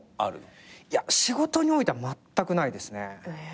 いや仕事においてはまったくないですね。